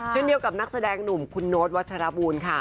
เช่นเดียวกับนักแสดงหนุ่มคุณโน๊ตวัชรบูลค่ะ